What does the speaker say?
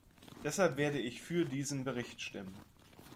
Deshalb werde ich für diesen Bericht stimmen.